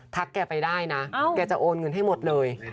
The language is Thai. แกไปได้นะแกจะโอนเงินให้หมดเลย